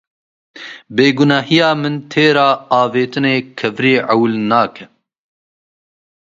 Bêgunehiya min têra avêtina kevirê ewil nake.